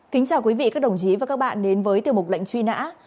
kính chào quý vị các đồng chí và các bạn đến với tiểu mục lệnh truy nã